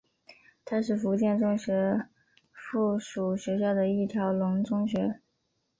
它是福建中学附属学校的一条龙中学。